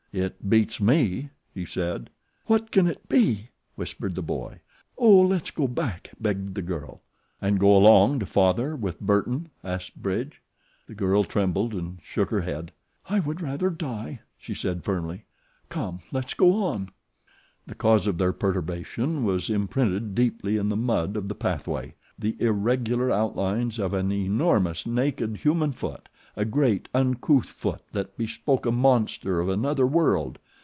"It beats me," he said. "What can it be?" whispered the boy. "Oh, let's go back," begged the girl. "And go along to father with Burton?" asked Bridge. The girl trembled and shook her head. "I would rather die," she said, firmly. "Come, let's go on." The cause of their perturbation was imprinted deeply in the mud of the pathway the irregular outlines of an enormous, naked, human foot a great, uncouth foot that bespoke a monster of another world.